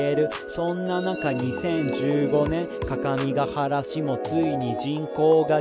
「そんな中２０１５年各務原市もついに人口が減少」